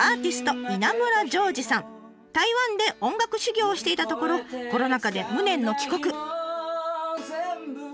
台湾で音楽修業をしていたところコロナ禍で無念の帰国。